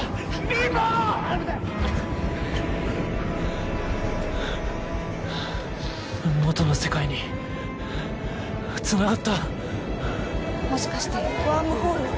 危ないもとの世界につながったもしかしてワームホール？